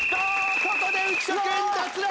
ここで浮所君脱落！